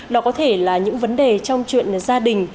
nó có thể là những vấn đề trong chuyện gia đình